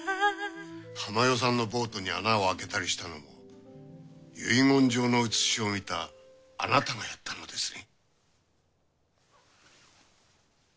珠代さんのボートに穴を開けたりしたのも遺言状の写しを見たあなたがやったのですね？